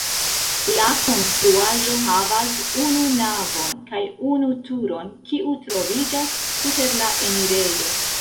La konstruaĵo havas unu navon kaj unu turon, kiu troviĝas super la enirejo.